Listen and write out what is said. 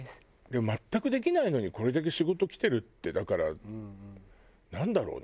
でも全くできないのにこれだけ仕事来てるってだからなんだろうね。